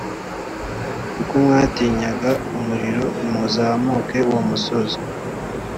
kuko mwatinyaga umuriro, ntimuzamuke uwo musozi.